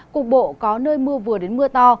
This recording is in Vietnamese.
cục bộ có nơi mưa vừa đến mưa to